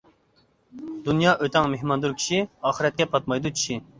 دۇنيا ئۆتەڭ مېھماندۇر كىشى، ئاخىرەتكە پاتمايدۇ چىشى.